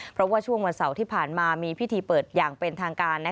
เพราะว่าช่วงวันเสาร์ที่ผ่านมามีพิธีเปิดอย่างเป็นทางการ